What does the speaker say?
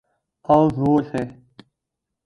أور زور سے۔